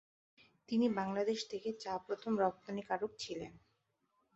তিনি বাংলাদেশ থেকে চা প্রথম রপ্তানিকারক ছিলেন।